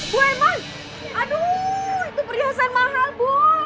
bu eman aduh itu perhiasan mahal bu